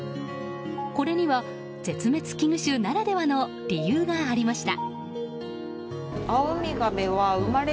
これには絶滅危惧種ならではの理由がありました。